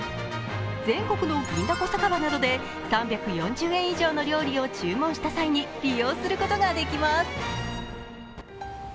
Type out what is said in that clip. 全国の銀だこ酒場などで３４０円以上の料理を注文した際に利用することができます。